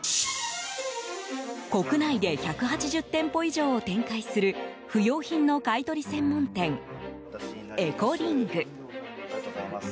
国内で１８０店舗以上を展開する不用品の買い取り専門店エコリング。